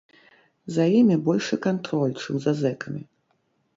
За імі большы кантроль, чым за зэкамі.